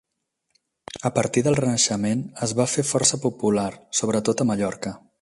A partir del Renaixement es va fer força popular sobretot a Mallorca.